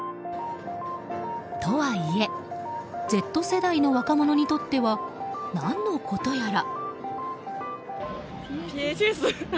とはいえＺ世代の若者にとっては何のことやら。